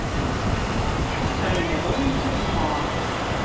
Cukkeɣ yelha win tt-iqemmren.